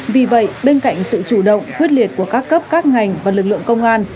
vì vậy bên cạnh sự chủ động quyết liệt của các cấp các ngành và lực lượng công an